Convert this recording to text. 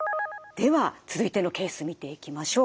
では続いてのケース見ていきましょう。